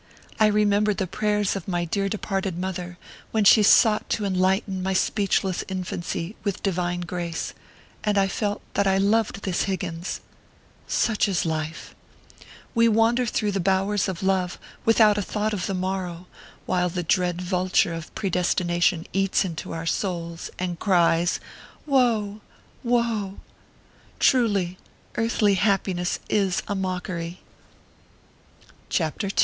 I re membered the prayers of my dear departed mother when she sought to enlighten my speechless infancy with divine grace, and I felt that I loved this Higgins. 68 ORPHEUS C. KERR PAPERS. Such is life. We wander through the bowers of love without a thought of the morrow, while the dread vulture of predestination eats into our souls, and cries, wo ! wo ! Truly, earthly happiness is a mockery. CHAPTER II.